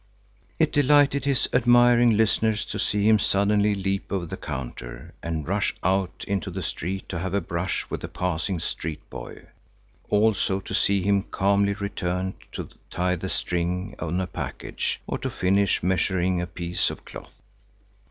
It delighted his admiring listeners to see him suddenly leap over the counter and rush out into the street to have a brush with a passing street boy; also to see him calmly return to tie the string on a package or to finish measuring a piece of cloth.